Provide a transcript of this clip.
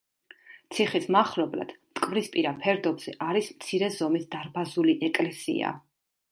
ციხის მახლობლად, მტკვრისპირა ფერდობზე, არის მცირე ზომის დარბაზული ეკლესია.